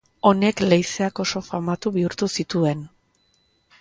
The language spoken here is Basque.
Honek leizeak oso famatu bihurtu zituen.